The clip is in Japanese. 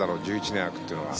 １１年空くっていうのは。